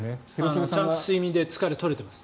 ちゃんと睡眠で疲れが取れてます。